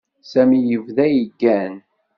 Sami yebda yeggan.